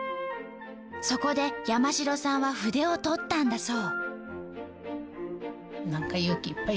そこで山城さんは筆を執ったんだそう。